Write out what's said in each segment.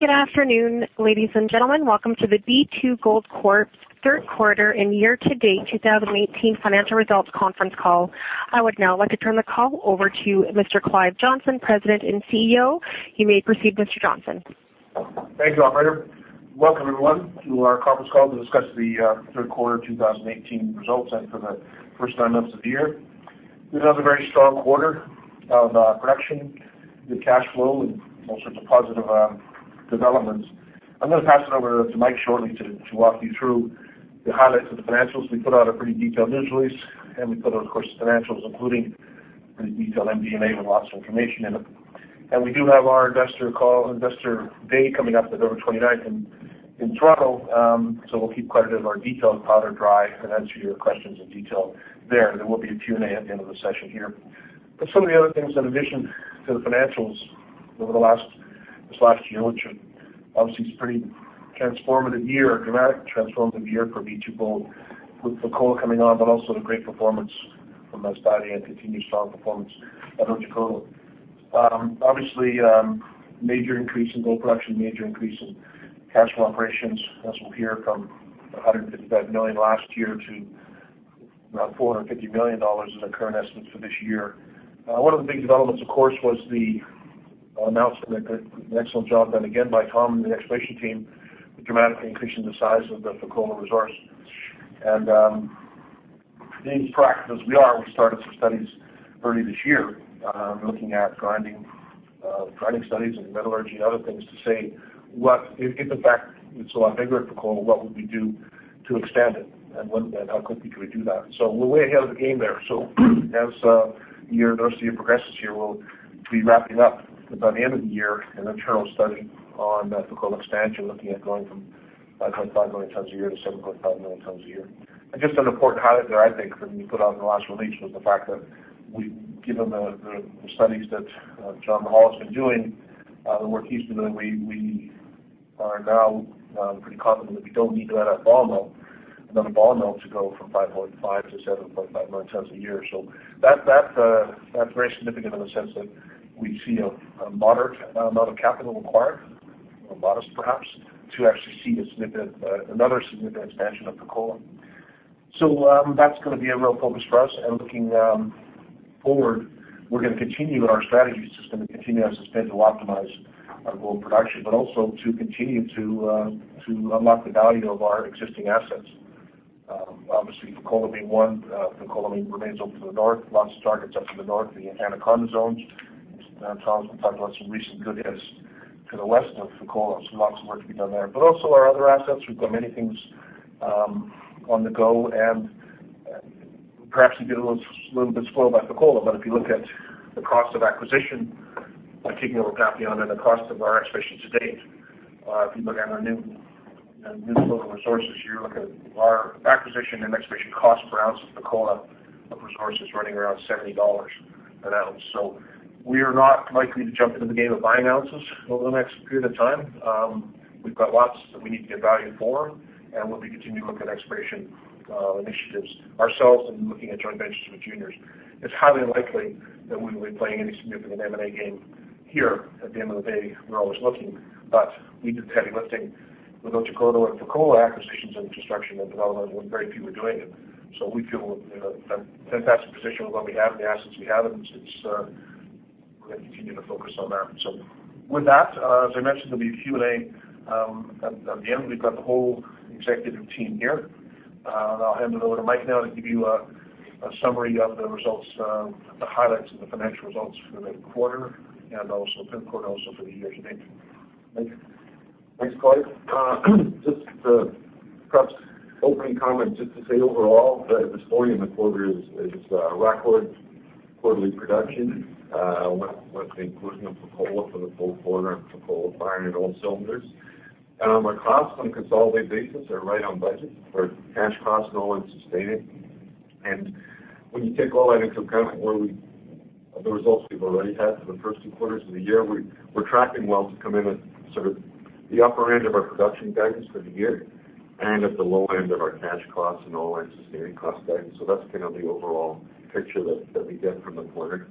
Good afternoon, ladies and gentlemen. Welcome to the B2Gold Corp third quarter and year-to-date 2018 financial results conference call. I would now like to turn the call over to Mr. Clive Johnson, President and CEO. You may proceed, Mr. Johnson. Thank you, operator. Welcome everyone, to our conference call to discuss the third quarter 2018 results for the first nine months of the year. We've had a very strong quarter of production, good cash flow, and all sorts of positive developments. I'm going to pass it over to Mike shortly to walk you through the highlights of the financials. We put out a pretty detailed news release, we put out, of course, the financials, including pretty detailed MD&A with lots of information in it. We do have our investor call, Investor Day, coming up November 29th in Toronto, so we'll keep quite a bit of our details powder dry and answer your questions in detail there. There will be a Q&A at the end of the session here. Some of the other things, in addition to the financials over this last year, which obviously is a pretty transformative year, a dramatic transformative year for B2Gold with Fekola coming on, but also the great performance from Masbate and continued strong performance at Otjikoto. Obviously, major increase in gold production, major increase in cash from operations, as we'll hear, from $155 million last year to about $450 million is our current estimate for this year. One of the big developments, of course, was the announcement, an excellent job done again by Tom and the exploration team, dramatically increasing the size of the Fekola resource. Being practical as we are, we started some studies early this year looking at grinding studies and metallurgy and other things to say if in fact it's a lot bigger at Fekola, what would we do to expand it, how quickly could we do that? We're way ahead of the game there. As the year progresses here, we'll be wrapping up by the end of the year an internal study on Fekola expansion, looking at going from 5.5 million tons a year to 7.5 million tons a year. Just an important highlight there, I think, that we put out in the last release was the fact that given the studies that John Hall has been doing, the work he's been doing, we are now pretty confident that we don't need to add a ball mill to go from 5.5 to 7.5 million tons a year. That's very significant in the sense that we see a moderate amount of capital required, or modest perhaps, to actually see another significant expansion of Fekola. That's going to be a real focus for us, and looking forward, we're going to continue our strategy. It's going to continue as suspense to optimize our gold production, but also to continue to unlock the value of our existing assets. Obviously Fekola being one. Fekola remains open to the north. Lots of targets up to the north, the Anaconda zones. Tom's going to talk about some recent good hits to the west of Fekola, lots of work to be done there. Also our other assets. We've got many things on the go, and perhaps you get a little bit spoiled by Fekola, but if you look at the cost of acquisition by taking over Fekola and the cost of our exploration to date, if you look at our new global resources here, look at our acquisition and exploration cost per ounce of Fekola resources running around $70 an ounce. We are not likely to jump into the game of buying ounces over the next period of time. We've got lots that we need to get value for, and we'll be continuing to look at exploration initiatives ourselves and looking at joint ventures with juniors. It's highly unlikely that we will be playing any significant M&A game here. At the end of the day, we're always looking, but we did the heavy lifting with Otjikoto and Fekola acquisitions and construction and development when very few were doing it. We feel in a fantastic position with what we have and the assets we have, and we're going to continue to focus on that. With that, as I mentioned, there'll be a Q&A at the end. We've got the whole executive team here. I'll hand it over to Mike now to give you a summary of the results, the highlights of the financial results for the quarter and also for the year to date. Mike? Thanks, Clive. Just perhaps opening comments just to say overall, the story in the quarter is record quarterly production with the inclusion of Fekola for the full quarter and Fekola firing on all cylinders. Our costs on a consolidated basis are right on budget for cash costs, all-in sustaining. When you take all that into account with the results we've already had for the first two quarters of the year, we're tracking well to come in at sort of the upper end of our production guidance for the year and at the low end of our cash costs and all-in sustaining cost guidance. That's kind of the overall picture that we get from the quarter.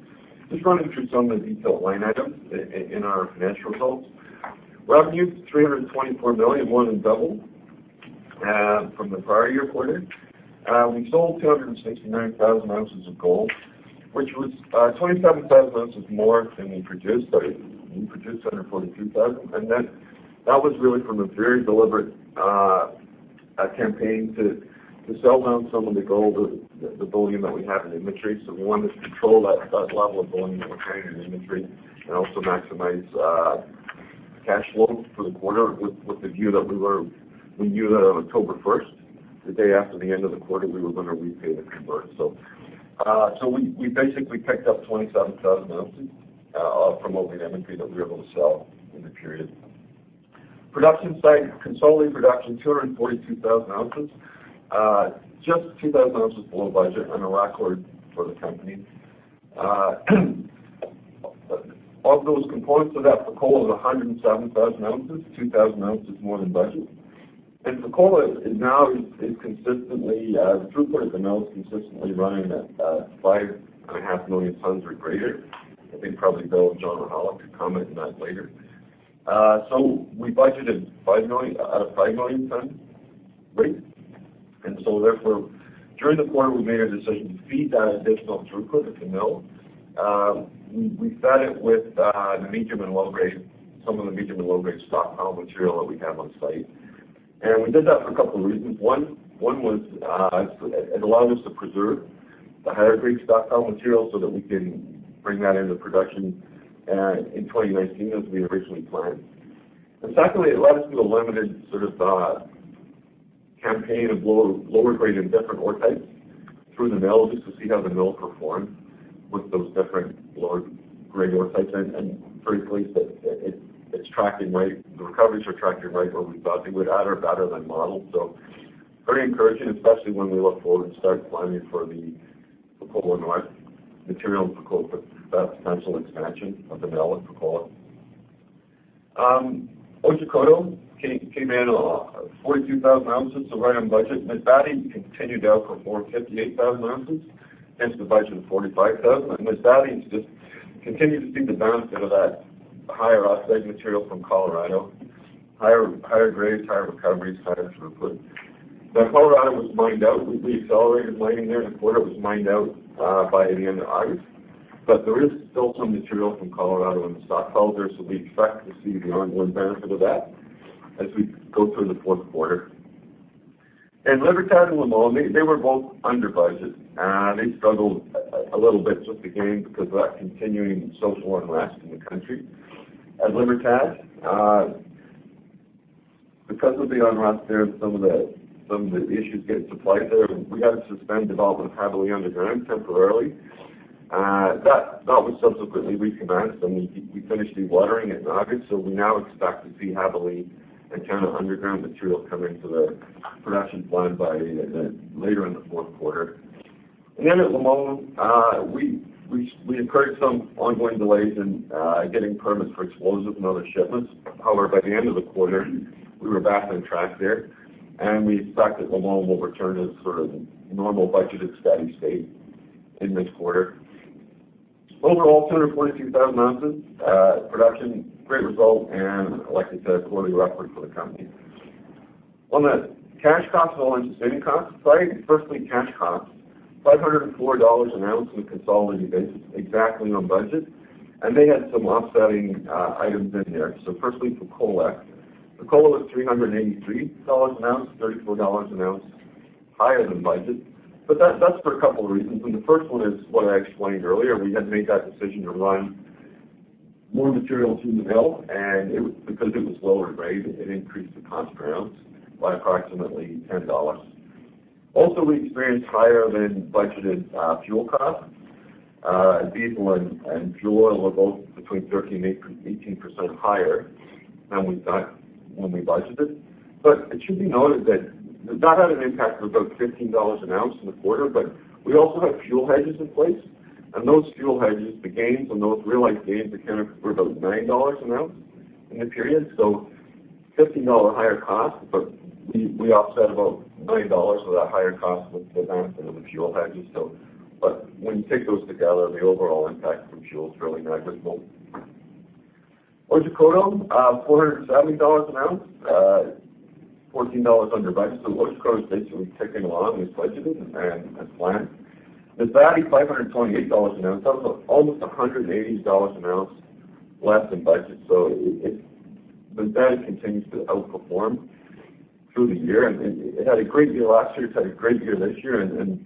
Just running through some of the detailed line items in our financial results. Revenue, $324 million, more than double from the prior year quarter. We sold 269,000 ounces of gold, which was 27,000 ounces more than we produced. We produced 242,000. That was really from a very deliberate campaign to sell down some of the gold, the volume that we have in inventory. We wanted to control that level of volume that we carry in inventory and also maximize cash flow for the quarter with the view that on October 1st, the day after the end of the quarter, we were going to repay the convert. We basically picked up 27,000 ounces from opening inventory that we were able to sell in the period. Production side, consolidated production, 242,000 ounces. Just 2,000 ounces below budget and a record for the company. Of those components of that, Fekola is 107,000 ounces, 2,000 ounces more than budget. Fekola now is consistently, throughput at the mill is consistently running at 5.5 million tons or greater. I think probably Bill, John, or Clive could comment on that later. We budgeted at a 5 million ton rate. Therefore, during the quarter, we made a decision to feed that additional throughput at the mill. We fed it with the medium- and low-grade, some of the medium- and low-grade stockpile material that we have on site. We did that for a couple of reasons. One was it allowed us to preserve the higher-grade stockpile material so that we can bring that into production in 2019, as we originally planned. Secondly, it allowed us to do a limited campaign of lower grade and different ore types through the mill just to see how the mill performed with those different lower-grade ore types. Frankly, the recoveries are tracking right where we thought they would at or better than modeled. Very encouraging, especially when we look forward and start planning for the Fekola North material in Fekola for that potential expansion of the mill at Fekola. Otjikoto came in at 42,000 ounces, right on budget. Masbate continued to outperform at 58,000 ounces, hence the budget of 45,000. Masbate just continues to see the benefit of that higher oxide material from Colorado, higher grades, higher recoveries, higher throughput. Colorado was mined out. We accelerated mining there in the quarter. It was mined out by the end of August. There is still some material from Colorado in the stockpile there, so we expect to see the ongoing benefit of that as we go through the fourth quarter. Libertad and Limon, they were both under budget. They struggled a little bit with the gains because of that continuing social unrest in the country at Libertad. Because of the unrest there, some of the issues getting supplies there, we had to suspend development Jabali underground temporarily. That was subsequently recommenced, and we finished dewatering in August, so we now expect to see Jabali tonnage of underground material come into the production plan by later in the fourth quarter. At Limon, we incurred some ongoing delays in getting permits for explosives and other shipments. By the end of the quarter, we were back on track there, and we expect that Limon will return to its normal budgeted steady state in this quarter. Overall, 242,000 ounces production, great result, and like I said, a quarterly record for the company. On the cash costs, all-in sustaining costs slide, firstly, cash costs, $504 an ounce on a consolidated basis, exactly on budget. They had some offsetting items in there. Firstly for Fekola. Fekola was $383 an ounce, $34 an ounce higher than budget. That's for a couple of reasons, and the first one is what I explained earlier. We had made that decision to run more material through the mill, and because it was lower grade, it increased the cost per ounce by approximately $10. Also, we experienced higher-than-budgeted fuel costs. Diesel and fuel oil were both between 13%-18% higher than we thought when we budgeted. It should be noted that that had an impact of about $15 an ounce in the quarter, we also have fuel hedges in place, and those fuel hedges, the gains on those realized gains accounted for about $9 an ounce in the period. $15 higher cost, we offset about $9 of that higher cost with the benefit of the fuel hedges. When you take those together, the overall impact from fuel is really negligible. Otjikoto, $470 an ounce, $14 under budget, Otjikoto's basically ticking along as budgeted and as planned. Masbate $528 an ounce, that was almost $180 an ounce less than budget. Masbate continues to outperform through the year. It had a great year last year, it's had a great year this year, and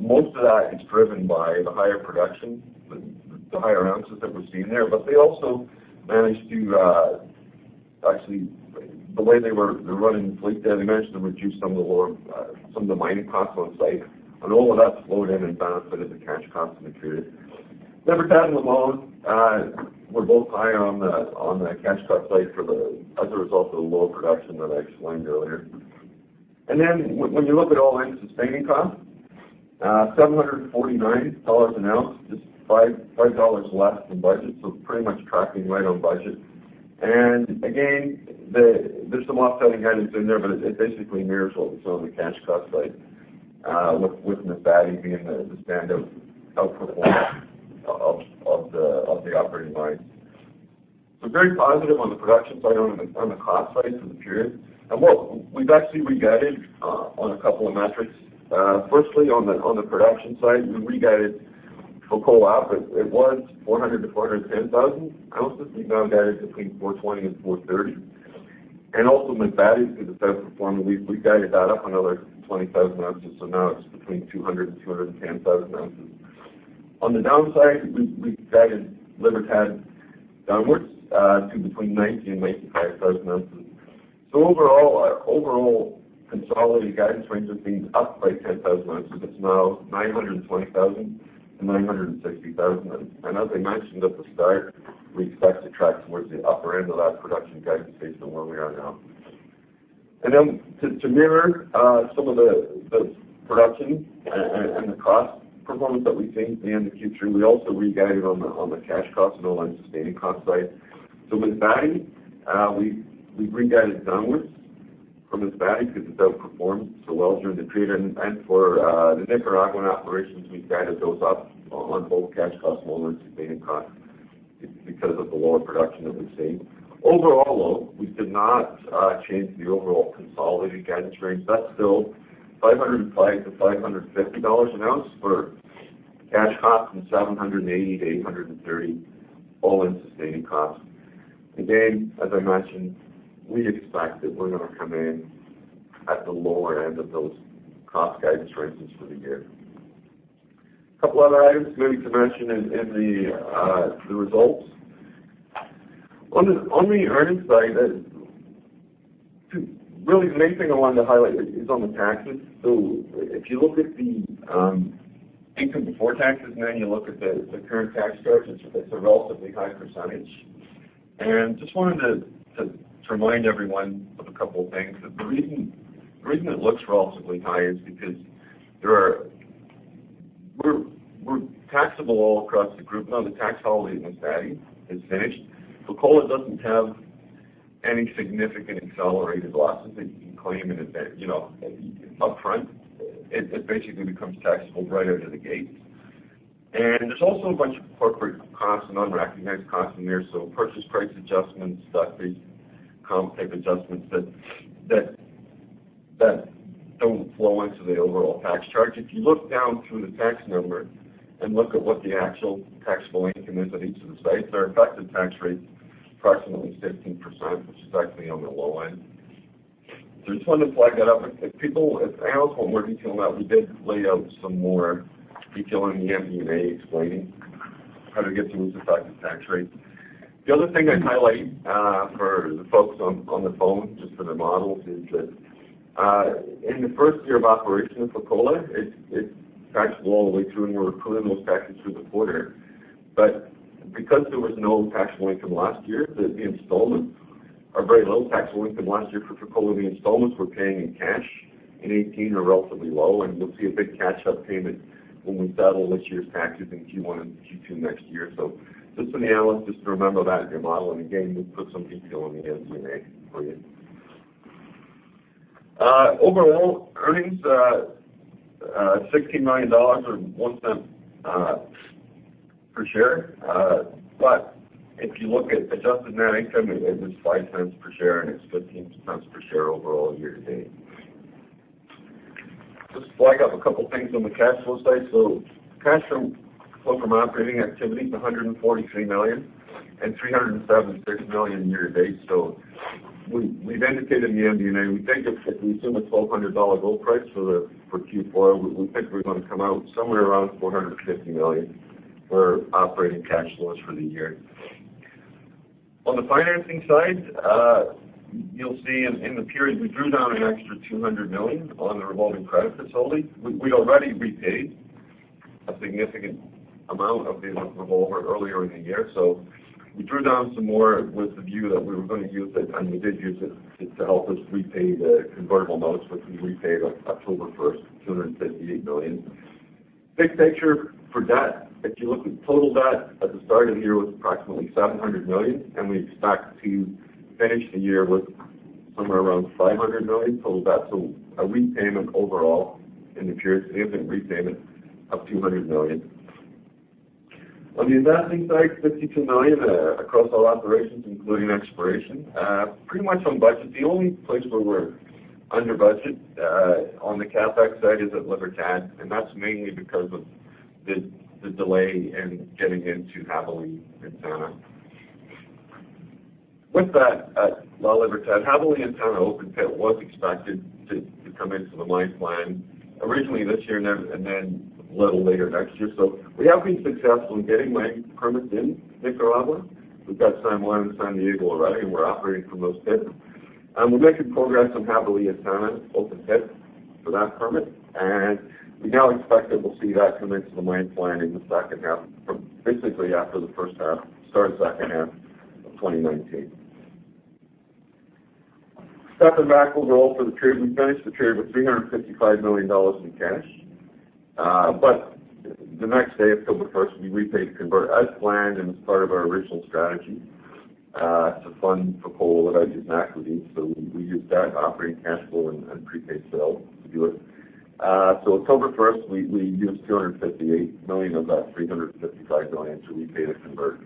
most of that is driven by the higher production, the higher ounces that we're seeing there. They also managed to actually, the way they were running fleet there, they managed to reduce some of the mining costs on site, and all of that flowed in and benefited the cash costs in the period. Libertad and Limon were both high on the cash cost slide as a result of the lower production that I explained earlier. When you look at all-in sustaining costs, $749 an ounce, just $5 less than budget, pretty much tracking right on budget. Again, there's some offsetting items in there, it basically mirrors what was on the cash cost slide with Masbate being the standout outperformer of the operating mines. Very positive on the production side, on the cost side for the period. Look, we've actually re-guided on a couple of metrics. Firstly, on the production side, we re-guided Fekola up. It was 400,000-410,000 ounces. We now guide it between 420,000-430,000. Also Masbate, because it's outperforming, we guided that up another 20,000 ounces, now it's between 200,000-210,000 ounces. On the downside, we guided Libertad downwards to between 90,000-95,000 ounces. Overall, our overall consolidated guidance range has been up by 10,000 ounces. It's now 920,000-960,000 ounces. As I mentioned at the start, we expect to track towards the upper end of that production guidance based on where we are now. Then to mirror some of the production and the cost performance that we think in the future, we also re-guided on the cash costs and all-in sustaining cost side. Masbate, we've re-guided downwards from Masbate because it's outperformed so well during the period. For the Nicaraguan operations, we guided those up on both cash costs and all-in sustaining costs because of the lower production that we've seen. Overall, though, we did not change the overall consolidated guidance range. That's still $505-$550 an ounce for cash cost and $780-$830 all-in sustaining cost. As I mentioned, we expect that we're going to come in at the lower end of those cost guidance ranges for the year. A couple other items maybe to mention in the results. On the earnings side, really the main thing I wanted to highlight is on the taxes. If you look at the income before taxes, then you look at the current tax charge, it's a relatively high percentage. Just wanted to remind everyone of a couple of things. The reason it looks relatively high is because we're taxable all across the group now. The tax holiday in Masbate has finished. Fekola doesn't have any significant accelerated losses that you can claim upfront. It basically becomes taxable right out of the gate. There's also a bunch of corporate costs and unrecognized costs in there, so purchase price adjustments, tax basis comp type adjustments that don't flow into the overall tax charge. If you look down through the tax number and look at what the actual taxable income is at each of the sites, our effective tax rate is approximately 15%, which is actually on the low end. I just wanted to flag that up. If anyone wants more detail on that, we did lay out some more detail in the MD&A explaining how to get to a effective tax rate. The other thing I'd highlight for the folks on the phone, just for their models, is that in the first year of operation of Fekola, it's taxable all the way through, and we're accruing those taxes through the quarter. Because there was no taxable income last year, our very low taxable income last year for Fekola, the installments we're paying in cash in 2018 are relatively low, and you'll see a big catch-up payment when we settle this year's taxes in Q1 and Q2 next year. Just something to analysts just to remember that as you're modeling. We've put some detail in the MD&A for you. Overall earnings, $16 million or $0.01 per share. If you look at adjusted net income, it is $0.05 per share and it's $0.15 per share overall year to date. Just flag up a couple of things on the cash flow side. Cash flow from operating activity is $143 million and $376 million year to date. We've indicated in the MD&A, we assume a $1,200 gold price for Q4. We think we're going to come out somewhere around $450 million for operating cash flows for the year. On the financing side, you'll see in the period we drew down an extra $200 million on the revolving credit facility. We already repaid a significant amount of the revolver earlier in the year. We drew down some more with the view that we were going to use it, and we did use it to help us repay the convertible notes, which we repaid on October 1st, $258 million. Big picture for debt, if you look at total debt at the start of the year was approximately $700 million, and we expect to finish the year with somewhere around $500 million total debt. A repayment overall in the period, a significant repayment of $200 million. On the investing side, $52 million across all operations, including exploration. Pretty much on budget. The only place where we're under budget on the CapEx side is at Libertad, and that's mainly because of the delay in getting into Jabali and Tana. With that, at La Libertad, Jabali and Tana open pit was expected to come into the mine plan originally this year and then a little later next year. We have been successful in getting mine permits in Nicaragua. We've got San Juan and San Diego already, and we're operating from those pits. We're making progress on Jabali and Tana open pits for that permit, and we now expect that we'll see that come into the mine plan in the second half, basically after the first half, start of second half of 2019. Stepping back overall for the period, we finished the period with $355 million in cash. The next day, October 1st, we repaid the convert as planned and as part of our original strategy to fund Fekola without using equity. We used that operating cash flow and prepaid sale to do it. October 1st, we used $258 million of that $355 million to repay the convert.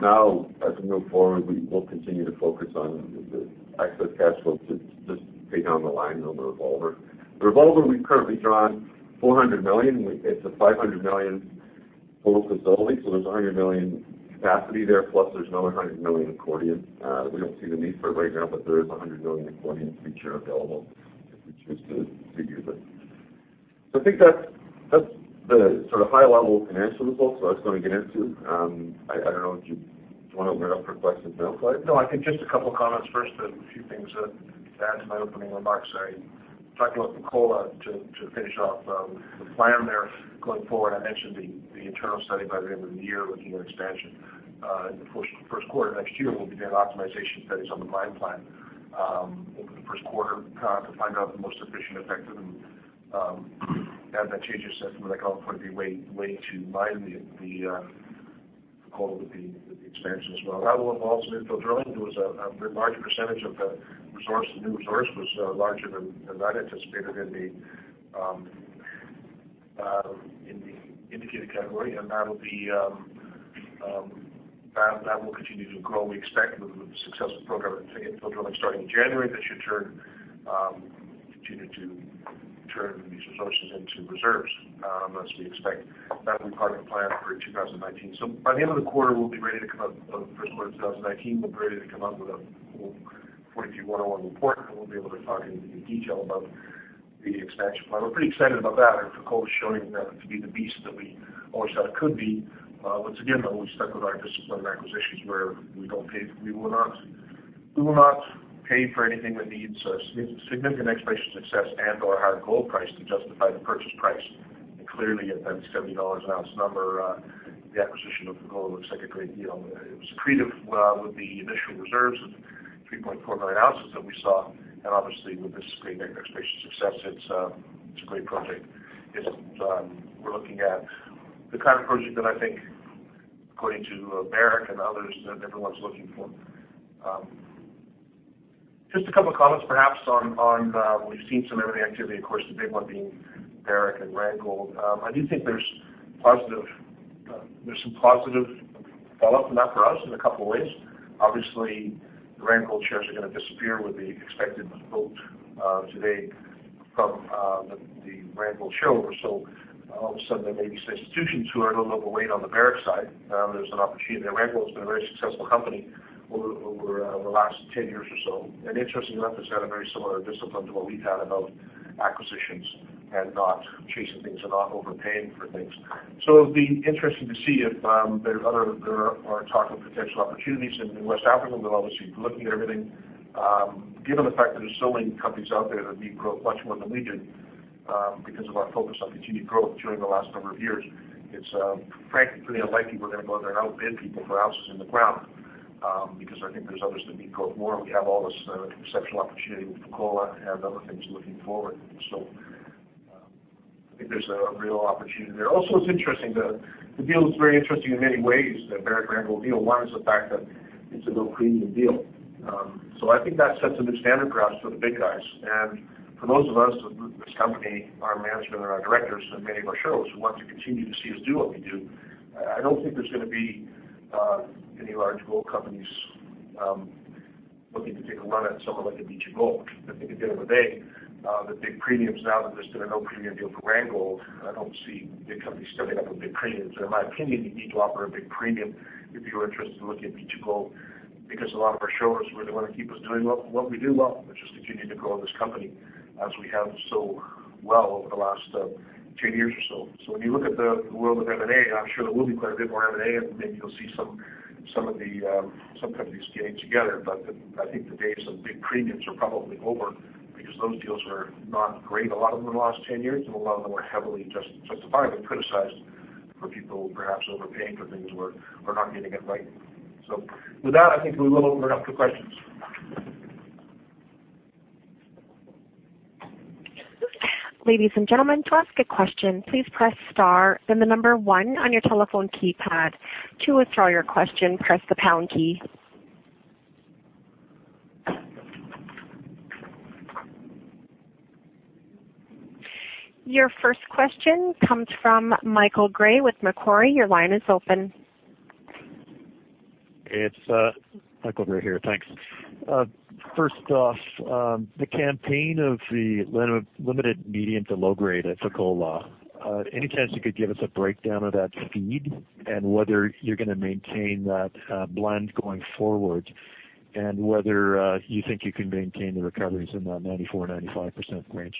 Now as we move forward, we will continue to focus on the excess cash flow to just pay down the line on the revolver. The revolver, we've currently drawn $400 million. It's a $500 million total facility, so there's $100 million capacity there, plus there's another $100 million accordion. We don't see the need for it right now, but there is $100 million in accordion future available if we choose to use it. I think that's the sort of high-level financial results I was going to get into. I don't know, do you want to open it up for questions now, Clive? No, I think just a couple of comments first, a few things to add to my opening remarks. Talking about Fekola to finish off the plan there going forward, I mentioned the internal study by the end of the year looking at expansion. In the first quarter next year, we'll be doing optimization studies on the mine plan over the first quarter to find out the most efficient, effective and have that changes set from what I call the point of view way to mine the Fekola with the expansion as well. That will involve some infill drilling. There was a large percentage of the resource. The new resource was larger than I'd anticipated in the indicated category, and that will continue to grow. We expect with a successful program of infill drilling starting in January, that should continue to turn these resources into reserves, as we expect. That will be part of the plan for 2019. By the end of the first quarter of 2019, we'll be ready to come up with a 43-101 report, and we'll be able to talk in detail about the expansion plan. We're pretty excited about that and Fekola is showing to be the beast that we always thought it could be. Once again, though, we've stuck with our discipline of acquisitions where we will not pay for anything that needs a significant exploration success and/or higher gold price to justify the purchase price. Clearly, at that $70 an ounce number, the acquisition of Fekola looks like a great deal. It was accretive with the initial reserves of 3.4 million ounces that we saw, and obviously with this great exploration success, it's a great project. We're looking at the kind of project that I think, according to Barrick and others, that everyone's looking for. Just a couple of comments, perhaps, on we've seen some M&A activity, of course, the big one being Barrick and Randgold. I do think there's some positive fallout from that for us in a couple of ways. Obviously, the Randgold shares are going to disappear with the expected vote today from the Randgold shareholders. All of a sudden, there may be some institutions who are a little overweight on the Barrick side. There's an opportunity there. Randgold's been a very successful company over the last 10 years or so. Interestingly enough, it's had a very similar discipline to what we've had about acquisitions and not chasing things and not overpaying for things. It'll be interesting to see if there are talk of potential opportunities in West Africa. We're obviously looking at everything. Given the fact that there's so many companies out there that need growth much more than we do, because of our focus on continued growth during the last number of years, it's frankly pretty unlikely we're going to go out there and outbid people for ounces in the ground because I think there's others that need growth more. We have all this exceptional opportunity with Fekola and other things looking forward. I think there's a real opportunity there. Also, the Barrick, Randgold deal is very interesting in many ways. One is the fact that it's a no-premium deal. I think that sets a good standard for us for the big guys. For those of us with this company, our management, and our directors, and many of our shareholders who want to continue to see us do what we do, I don't think there's going to be any large gold companies looking to take a run at someone like a B2Gold. I think at the end of the day, the big premiums, now that there's been a no-premium deal for Randgold, I don't see big companies stepping up with big premiums. In my opinion, you need to offer a big premium if you're interested in looking at B2Gold because a lot of our shareholders really want to keep us doing what we do well, which is continue to grow this company as we have so well over the last 10 years or so. When you look at the world of M&A, I'm sure there will be quite a bit more M&A, and maybe you'll see some companies getting together. But I think the days of big premiums are probably over because those deals were not great, a lot of them in the last 10 years, and a lot of them were heavily justified but criticized for people perhaps overpaying for things or not getting it right. With that, I think we will open it up to questions. Ladies and gentlemen, to ask a question, please press star, then the number 1 on your telephone keypad. To withdraw your question, press the pound key. Your first question comes from Michael Gray with Macquarie. Your line is open. It's Michael Gray here. Thanks. First off, the campaign of the limited medium to low grade at Fekola, any chance you could give us a breakdown of that feed and whether you're going to maintain that blend going forward and whether you think you can maintain the recoveries in that 94%-95% range?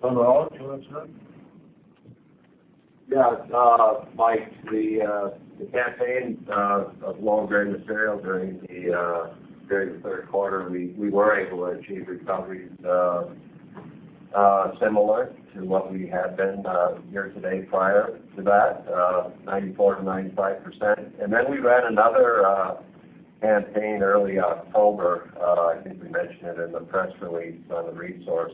John Ralston? Yeah, Mike, the campaign of low-grade material during the third quarter, we were able to achieve recoveries similar to what we had been year to date prior to that, 94%-95%. Then we ran another campaign early October, I think we mentioned it in the press release on the resource,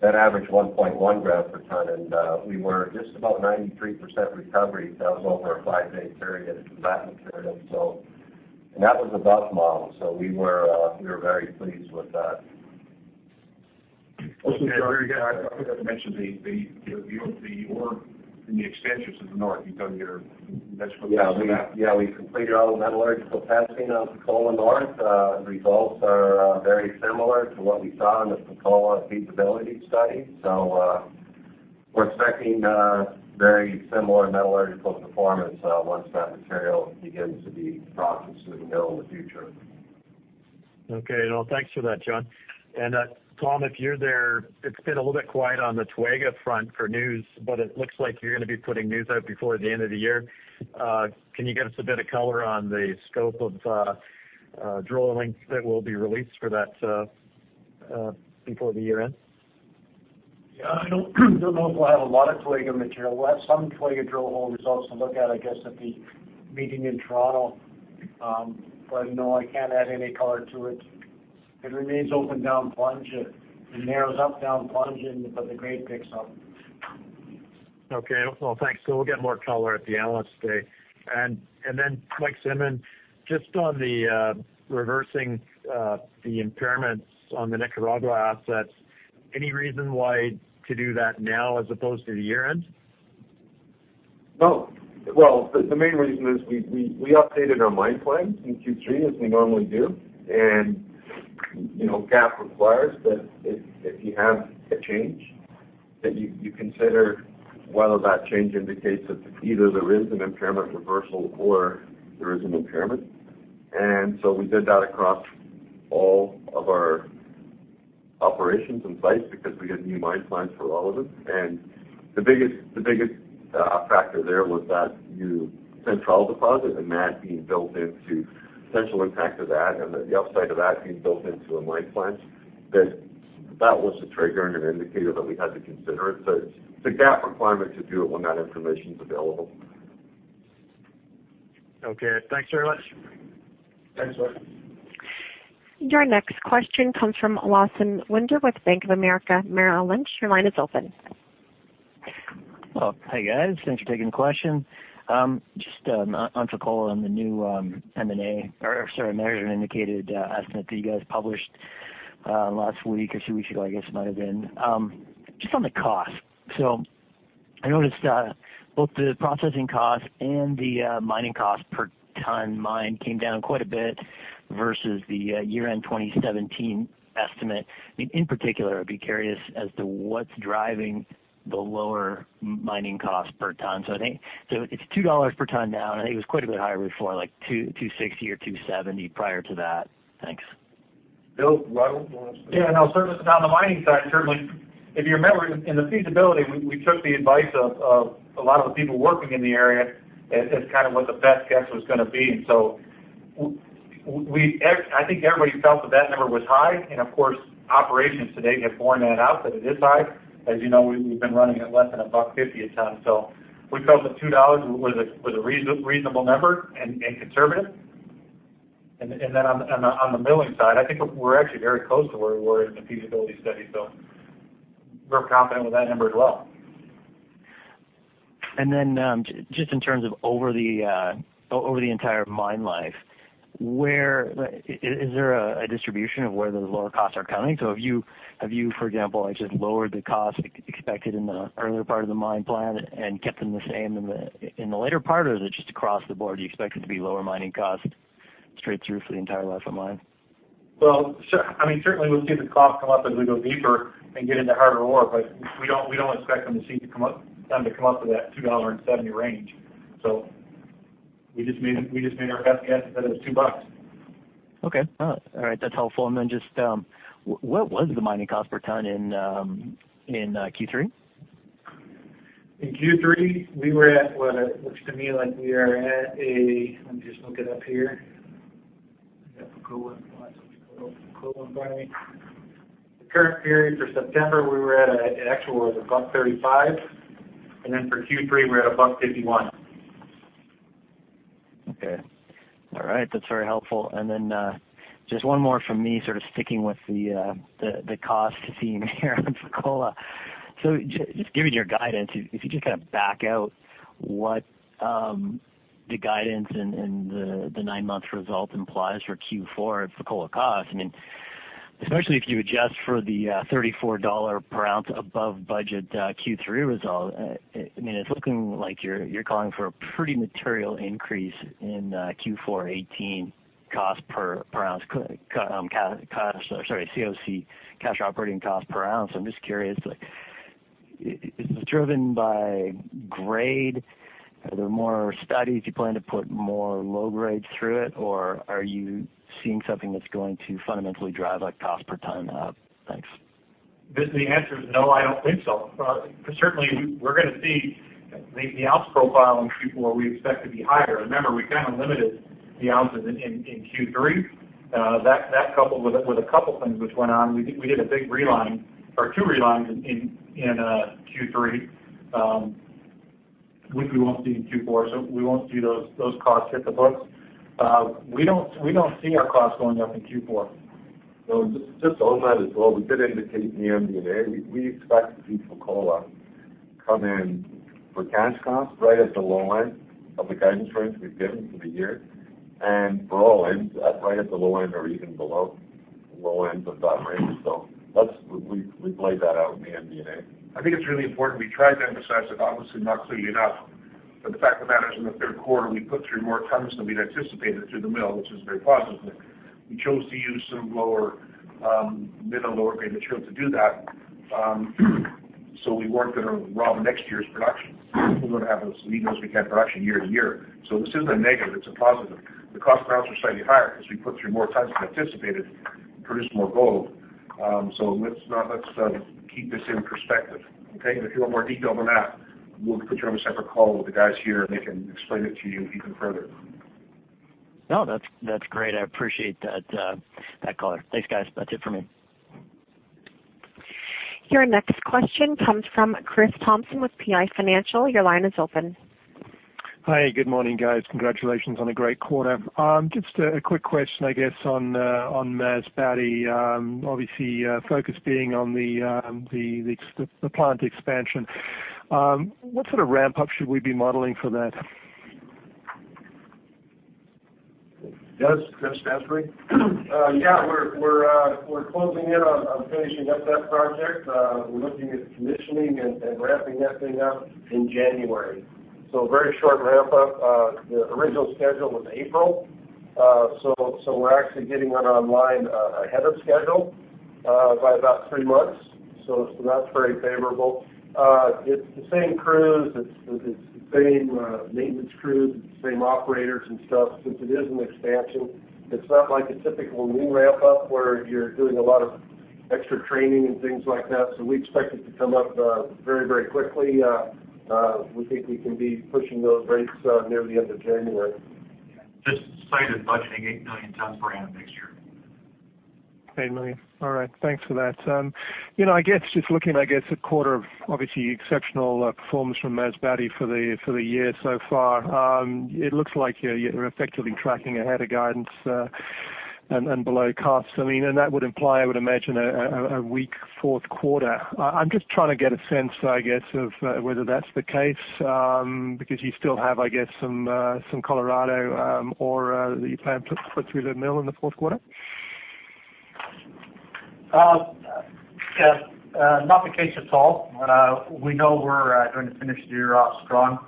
that averaged 1.1 gram per ton, we were just about 93% recovery. That was over a 5-day period of batching material. That was above model, so we were very pleased with that. Also, John, I forgot to mention the ore in the expansions to the north. You've done your metallurgical testing on that. Yeah, we've completed all the metallurgical testing on Fekola North. Results are very similar to what we saw in the Fekola feasibility study. We're expecting very similar metallurgical performance once that material begins to be processed through the mill in the future. Thanks for that, John. Tom, if you're there, it's been a little bit quiet on the Toega front for news, but it looks like you're going to be putting news out before the end of the year. Can you give us a bit of color on the scope of drilling that will be released for that before the year end? Yeah, I don't know if we'll have a lot of Fekola material. We'll have some Fekola drill hole results to look at, I guess, at the meeting in Toronto. No, I can't add any color to it. It remains open down plunge. It narrows up down plunge, but the grade picks up. Okay. Well, thanks. We'll get more color at the analyst day. Mike Cinnamond, just on the reversing the impairments on the Nicaragua assets, any reason why to do that now as opposed to year-end? No. Well, the main reason is we updated our mine plans in Q3 as we normally do, GAAP requires that if you have a change, that you consider whether that change indicates that either there is an impairment reversal or there is an impairment. We did that across all of our operations and sites because we had new mine plans for all of them. The biggest factor there was that new Central deposit and that being built into potential impact of that and the upside of that being built into a mine plan, that was the trigger and an indicator that we had to consider it. It's a GAAP requirement to do it when that information's available. Okay. Thanks very much. Thanks, Michael. Your next question comes from Lawson Winder with Bank of America Merrill Lynch. Your line is open. Well, hey, guys. Thanks for taking the question. Just on Fekola on the new M&A, or sorry, Measured and Indicated estimate that you guys published last week or two weeks ago, I guess it might have been. Just on the cost. I noticed both the processing cost and the mining cost per ton mined came down quite a bit versus the year-end 2017 estimate. In particular, I'd be curious as to what's driving the lower mining cost per ton. I think it's $2 per ton now, and I think it was quite a bit higher before, like $2.60 or $2.70 prior to that. Thanks. Bill, do you want to Yeah, no. Certainly on the mining side, certainly, if you remember in the feasibility, we took the advice of a lot of the people working in the area as kind of what the best guess was going to be. I think everybody felt that that number was high, and of course, operations to date have borne that out, that it is high. As you know, we've been running at less than $1.50 a ton. We felt that $2 was a reasonable number and conservative. On the milling side, I think we're actually very close to where we were in the feasibility study. We're confident with that number as well. Just in terms of over the entire mine life, is there a distribution of where those lower costs are coming? Have you, for example, just lowered the cost expected in the earlier part of the mine plan and kept them the same in the later part? Is it just across the board, you expect it to be lower mining cost straight through for the entire life of mine? Well, certainly we'll see the cost come up as we go deeper and get into harder ore, but we don't expect them to come up to that $2.70 range. We just made our best guess that it was $2. Okay. All right. That's helpful. What was the mining cost per ton in Q3? In Q3, we were at. Let me just look it up here. I have Fekola in front of me. The current period for September, we were at an actual of $1.35. For Q3, we were at $1.51. Okay. All right. That's very helpful. One more from me, sort of sticking with the cost theme here on Fekola. Given your guidance, if you just kind of back out what the guidance and the nine-month result implies for Q4 Fekola cost, especially if you adjust for the $34 per ounce above budget Q3 result, it's looking like you're calling for a pretty material increase in Q4 2018 cost per ounce, sorry, COC, cash operating cost per ounce. I'm just curious, is this driven by grade? Are there more studies? You plan to put more low grades through it? Or are you seeing something that's going to fundamentally drive cost per ton up? Thanks. The answer is no, I don't think so. Certainly, we're going to see the ounce profile in Q4 we expect to be higher. Remember, we kind of limited the ounces in Q3. That coupled with a couple of things which went on, we did a big reline or two relines in Q3, which we won't see in Q4. We won't see those costs hit the books. We don't see our costs going up in Q4. Just on that as well, we did indicate in the MD&A, we expect to see Fekola come in for cash costs right at the low end of the guidance range we've given for the year. For all-in, right at the low end or even below the low end of that range. We've laid that out in the MD&A. I think it's really important. We tried to emphasize it, obviously not clearly enough. The fact of the matter is in the third quarter, we put through more tons than we'd anticipated through the mill, which is very positive. We chose to use some middle lower grade material to do that, so we weren't going to rob next year's production. We want to have as lean those we can production year to year. This isn't a negative, it's a positive. The cost per ounce was slightly higher because we put through more tons than anticipated and produced more gold. Let's keep this in perspective, okay. If you want more detail than that, we'll put you on a separate call with the guys here, and they can explain it to you even further. That's great. I appreciate that call. Thanks, guys. That's it for me. Your next question comes from Chris Thompson with PI Financial. Your line is open. Hi, good morning, guys. Congratulations on a great quarter. Just a quick question, I guess, on Masbate. Obviously, focus being on the plant expansion. What sort of ramp-up should we be modeling for that? Yes, Chris Thompson? Yeah, we're closing in on finishing up that project. We're looking at commissioning and ramping that thing up in January. Very short ramp-up. The original schedule was April. We're actually getting it online ahead of schedule by about three months. That's very favorable. It's the same crews. It's the same maintenance crews. It's the same operators and stuff, since it is an expansion. It's not like a typical new ramp-up where you're doing a lot of extra training and things like that. We expect it to come up very quickly. We think we can be pushing those rates near the end of January. Just the site is budgeting 8 million tons per annum next year. 8 million. All right. Thanks for that. I guess just looking, I guess, at quarter, obviously exceptional performance from Masbate for the year so far. It looks like you're effectively tracking ahead of guidance and below costs. That would imply, I would imagine, a weak fourth quarter. I'm just trying to get a sense, I guess, of whether that's the case, because you still have, I guess, some Colorado ore that you plan to put through the mill in the fourth quarter? Not the case at all. We know we're going to finish the year off strong.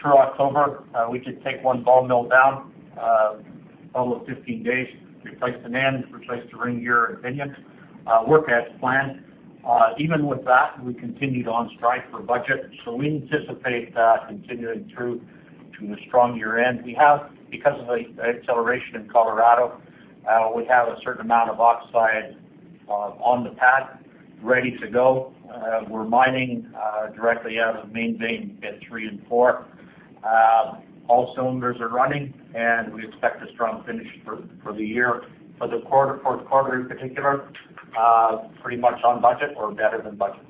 Through October, we did take one ball mill down for almost 15 days to replace an end, replace the ring gear and pinion. Work as planned. Even with that, we continued on stride for budget. We anticipate that continuing through to a strong year-end. We have, because of the acceleration in Colorado, we have a certain amount of oxide on the pad ready to go. We're mining directly out of the main vein at three and four. All cylinders are running. We expect a strong finish for the year. For the fourth quarter in particular, pretty much on budget or better than budget.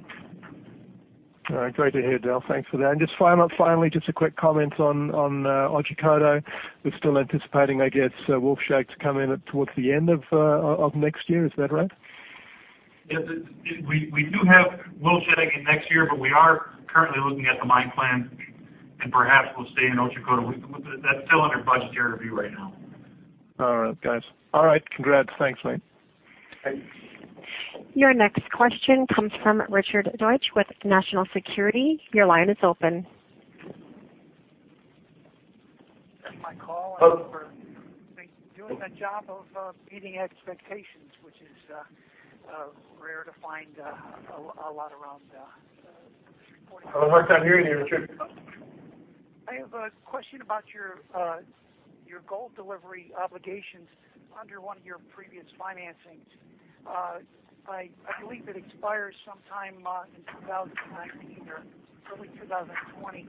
All right, great to hear, Dale. Thanks for that. Just finally, just a quick comment on Otjikoto. We're still anticipating, I guess, Wolfshag to come in towards the end of next year. Is that right? Yes. We do have Wolfshag in next year. We are currently looking at the mine plan. Perhaps we'll stay in Otjikoto. That's still under budgetary review right now. All right, guys. All right, congrats. Thanks, mate. Thanks. Your next question comes from Richard Deutsch with National Securities Corporation. Your line is open. That's my call. Thanks for doing the job of meeting expectations, which is rare to find a lot around this reporting season. Having a hard time hearing you, Richard. I have a question about your gold delivery obligations under one of your previous financings. I believe it expires sometime in 2019 or early 2020.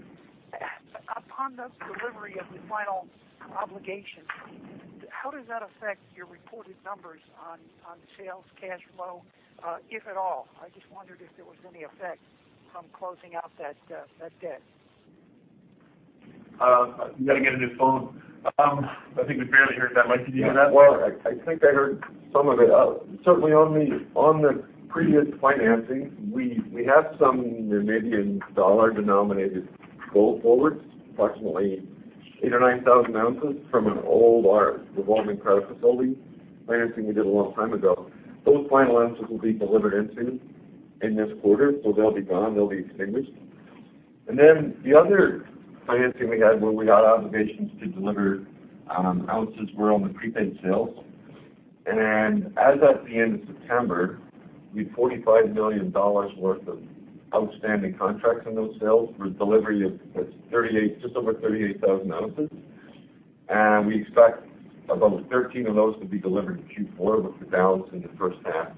Upon the delivery of the final obligation, how does that affect your reported numbers on sales cash flow, if at all? I just wondered if there was any effect from closing out that debt. You got to get a new phone. I think we barely heard that, Mike. Did you hear that? Well, I think I heard some of it. Certainly, on the previous financing, we have some NAD-denominated gold forwards, approximately 8,000 or 9,000 ounces from an old revolving credit facility financing we did a long time ago. Those final ounces will be delivered into in this quarter, so they'll be gone, they'll be extinguished. The other financing we had where we got obligations to deliver ounces were on the prepaid sales. As at the end of September, we had $45 million worth of outstanding contracts on those sales for delivery of just over 38,000 ounces. We expect about 13 of those to be delivered in Q4 with the balance in the first half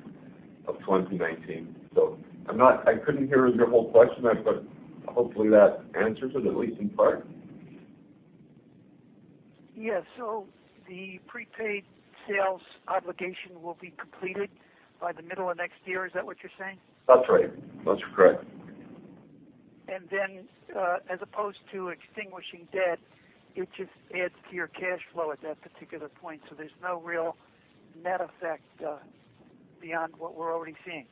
of 2019. I couldn't hear your whole question, but hopefully that answers it, at least in part. Yes. The prepaid sales obligation will be completed by the middle of next year. Is that what you're saying? That's right. That's correct. As opposed to extinguishing debt, it just adds to your cash flow at that particular point, so there's no real net effect beyond what we're already seeing.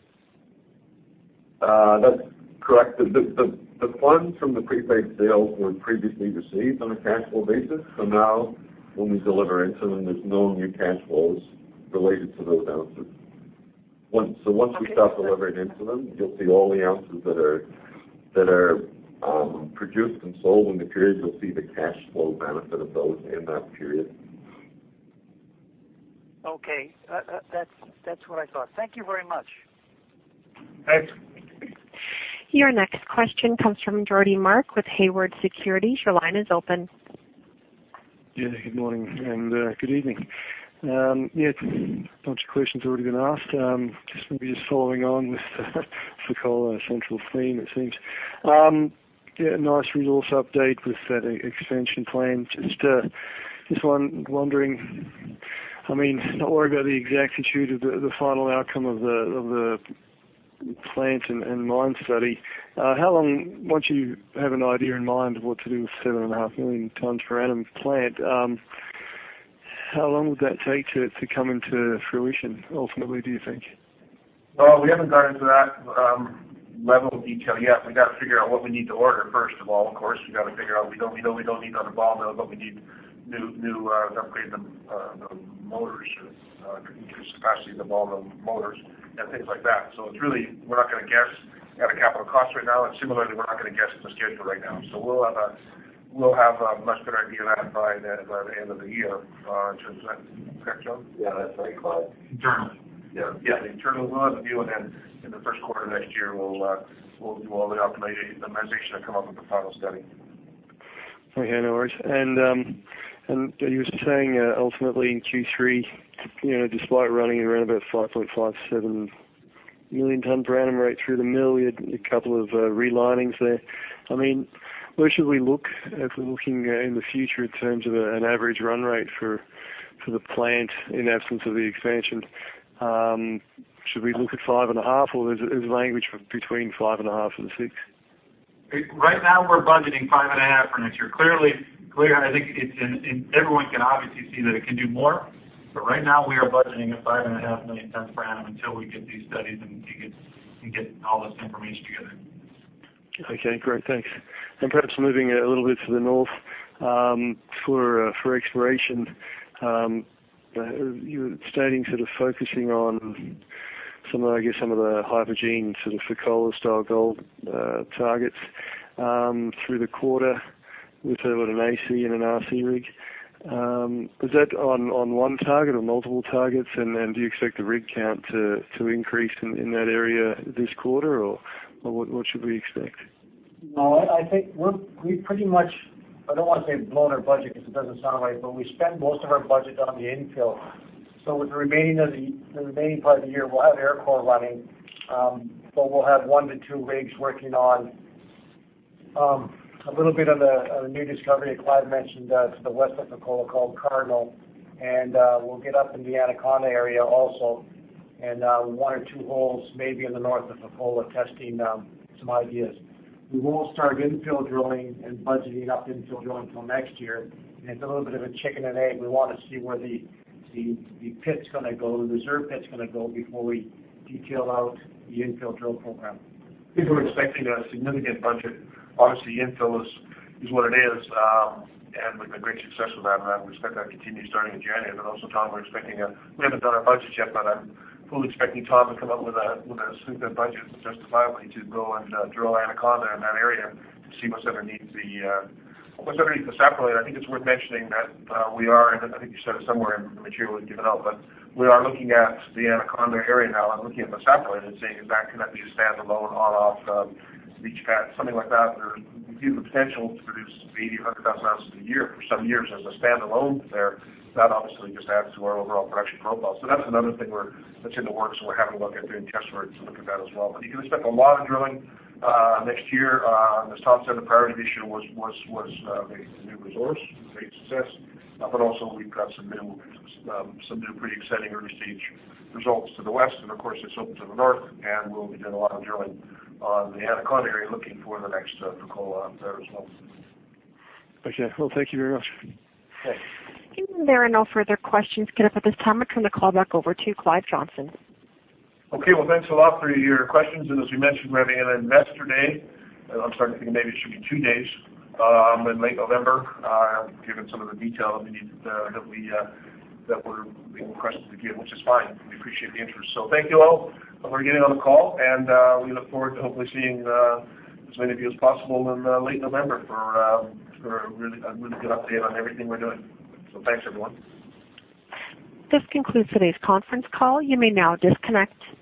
That's correct. The funds from the prepaid sales were previously received on a cash flow basis. Now when we deliver into them, there's no new cash flows related to those ounces. Once we start delivering into them, you'll see all the ounces that are produced and sold in the period, you'll see the cash flow benefit of those in that period. Okay. That's what I thought. Thank you very much. Thanks. Your next question comes from Kerry Mark with Haywood Securities. Your line is open. Yeah, good morning, and good evening. A bunch of questions have already been asked. Maybe just following on with the Fekola central theme, it seems. Yeah, nice resource update with that expansion plan. Wondering, not worried about the exactitude of the final outcome of the plant and mine study. Once you have an idea in mind of what to do with 7.5 million tonnes per annum plant, how long would that take to come into fruition ultimately, do you think? Well, we haven't got into that level of detail yet. We've got to figure out what we need to order first of all, of course. We've got to figure out, we know we don't need another ball mill, but we need to upgrade the motors, increase capacity of the ball mill motors and things like that. It's really, we're not going to guess at a capital cost right now, and similarly, we're not going to guess at the schedule right now. We'll have a much better idea of that by the end of the year. Is that correct, Joe? Yeah, that's right, Clive. Internally. Yeah. Yeah, internally, we'll have a view, then in the first quarter next year, we'll do all the optimization and come up with a final study. Okay, no worries. You were saying, ultimately in Q3, despite running around about 5.5, seven million tonnes per annum rate through the mill, you had a couple of relinings there. Where should we look if we're looking in the future in terms of an average run rate for the plant in absence of the expansion? Should we look at five and a half, or is it range between five and a half and six? Right now we're budgeting five and a half for next year. Clearly, I think everyone can obviously see that it can do more, but right now we are budgeting at 5.5 million tonnes per annum until we get these studies and get all this information together. Okay, great. Thanks. Perhaps moving a little bit to the north, for exploration, you were stating sort of focusing on some of the hypogene sort of Fekola style gold targets through the quarter with an AC and an RC rig. Is that on one target or multiple targets, and do you expect the rig count to increase in that area this quarter, or what should we expect? No, I think we've pretty much, I don't want to say blown our budget because it doesn't sound right, but we spent most of our budget on the infill. With the remaining part of the year, we'll have air core running, but we'll have one to two rigs working on a little bit of the new discovery that Clive mentioned to the west of Fekola called Cardinal, and we'll get up in the Anaconda area also, and one or two holes maybe in the north of Fekola testing some ideas. We won't start infill drilling and budgeting up infill drilling till next year. It's a little bit of a chicken and egg. We want to see where the reserve pit's going to go before we detail out the infill drill program. I think we're expecting a significant budget. Obviously, infill is what it is, and with the great success with that, and we expect that to continue starting in January. Tom, we haven't done our budget yet, but I'm fully expecting Tom to come up with a suitable budget justifiably to go and drill Anaconda in that area to see what's underneath the saprolite. I think it's worth mentioning that we are, and I think you said it somewhere in the material you've given out, but we are looking at the Anaconda area now and looking at the saprolite and seeing if that could be a standalone on-off leach pad, something like that, where we see the potential to produce maybe 100,000 ounces a year for some years as a standalone there. That obviously just adds to our overall production profile. That's another thing that's in the works, and we're having a look at doing test work to look at that as well. You can expect a lot of drilling next year. As Tom said, the priority this year was the new resource, a great success, but also we've got some new pretty exciting early stage results to the west. Of course, it's open to the north, and we'll be doing a lot of drilling on the Anaconda area looking for the next Fekola there as well. Okay. Well, thank you very much. Okay. There are no further questions, [inaudible] at this time. I turn the call back over to Clive Johnson. Okay. Well, thanks a lot for your questions. As we mentioned, we're having an investor day. I'm starting to think maybe it should be two days in late November, giving some of the detail that we're being pressed to give, which is fine. We appreciate the interest. Thank you all for getting on the call, and we look forward to hopefully seeing as many of you as possible in late November for a really good update on everything we're doing. Thanks, everyone. This concludes today's conference call. You may now disconnect.